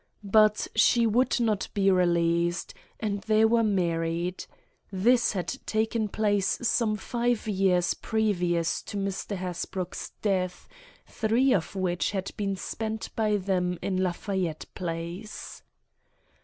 But she would not be released, and they were married. This had taken place some five years previous to Mr. Hasbrouck's death, three of which had been spent by them in Lafayette Place.